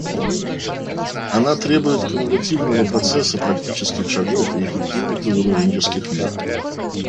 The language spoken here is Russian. Она требует кумулятивного процесса практических шагов и эффективных разоруженческих мер.